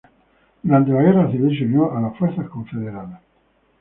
Durante la Guerra Civil, se unió a las fuerzas confederadas.